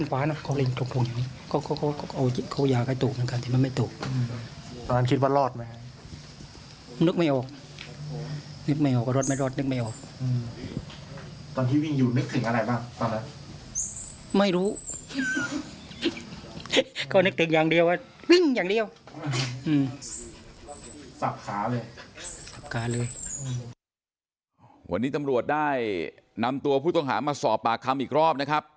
วันนี้ตำรวจได้นำตัวผู้ต้องหามาสอบปากคำอีกรอบนะครับ